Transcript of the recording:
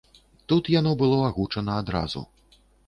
Тут яно было агучана адразу.